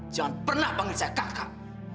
jangan pernah panggil saya kakak